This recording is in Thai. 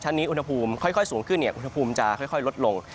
นี้อุณหภูมิค่อยสูงขึ้นอุณหภูมิจะค่อยลดลง